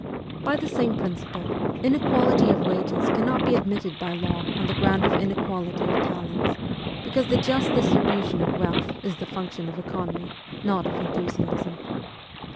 By the same principle, inequality of wages cannot be admitted by law on the ground of inequality of talents; because the just distribution of wealth is the function of economy, not of enthusiasm.